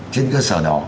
trên cơ sở đó